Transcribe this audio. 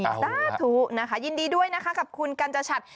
นี่ซ่าถูกนะคะยินดีด้วยนะคะกับคุณกัญจชัตริย์